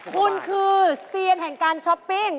คุณคือเซียนแห่งการช้อปปิ้ง